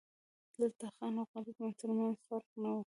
دلته د خان او غریب ترمنځ فرق نه و.